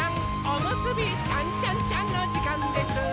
おむすびちゃんちゃんちゃんのじかんです！